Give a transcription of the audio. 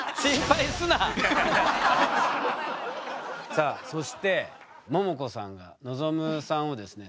さあそしてももこさんが望さんをですね